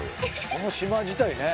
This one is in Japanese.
この島自体ね